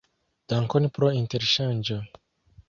Dankon pro interŝanĝo!